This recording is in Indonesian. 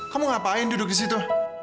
kamu ngapain duduk disitu